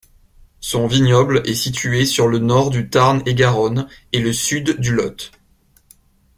Son vignoble est situé sur le nord du Tarn-et-Garonne et le sud du Lot.